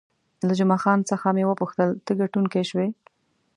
له جمعه خان څخه مې وپوښتل، ته ګټونکی شوې؟